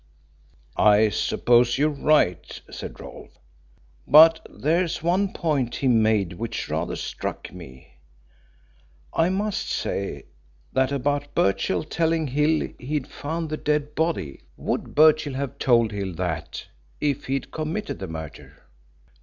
"I suppose you're right," said Rolfe. "But there's one point he made which rather struck me, I must say that about Birchill telling Hill he'd found the dead body. Would Birchill have told Hill that, if he'd committed the murder?"